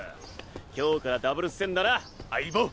今日からダブルス戦だな相棒！